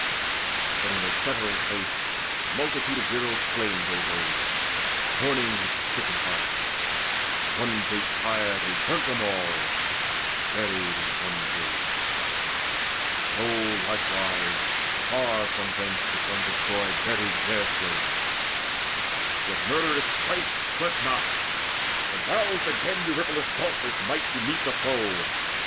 But in a several place The multitude of heroes slain they laid, Mourning with stricken hearts. On one great pyre They burnt them all, and buried in one grave. So likewise far from thence the sons of Troy Buried their slain. Yet murderous Strife slept not, But roused again Eurypylus' dauntless might To meet the foe.